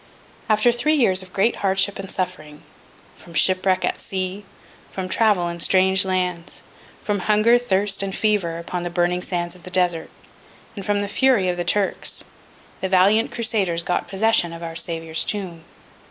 After three years of great hardship and suffering—from shipwreck at sea; from travel in strange lands; from hunger, thirst, and fever, upon the burning sands of the desert; and from the fury of the Turks—the valiant Crusaders got possession of Our Saviour's tomb.